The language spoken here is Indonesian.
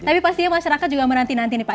tapi pastinya masyarakat juga menanti nanti nih pak